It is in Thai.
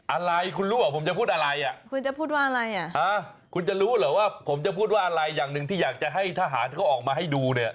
อะไรคุณรู้ป่ะผมจะพูดอะไรอ่ะคุณจะพูดว่าอะไรอ่ะคุณจะรู้เหรอว่าผมจะพูดว่าอะไรอย่างหนึ่งที่อยากจะให้ทหารเขาออกมาให้ดูเนี่ย